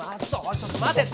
ちょっと待てって！